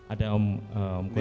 ada omku di sebelah